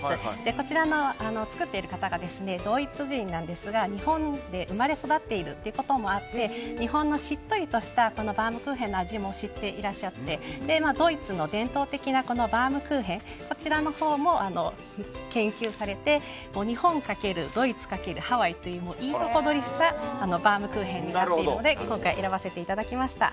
こちらの作っている方はドイツ人なんですが日本で生まれ育っていることもあって日本のしっとりとしたバウムクーヘンの味を知っていらっしゃってドイツの伝統的なバウムクーヘンのほうも研究されて日本かけるドイツかけるハワイといういいとこ取りしたバウムクーヘンになっているので今回、選ばせていただきました。